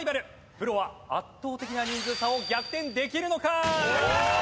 プロは圧倒的な人数差を逆転できるのか？